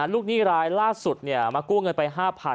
หนี้รายล่าสุดมากู้เงินไป๕๐๐๐